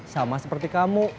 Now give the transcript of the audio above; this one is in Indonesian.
sama seperti kamu